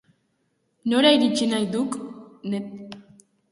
Nora iritsi nahi duk, Ned?